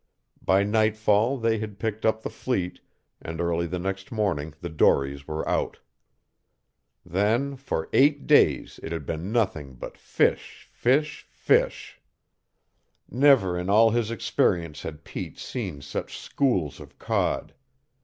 By nightfall they had picked up the fleet, and early the next morning the dories were out. Then for eight days it had been nothing but fish, fish, fish. Never in all his experience had Pete seen such schools of cod.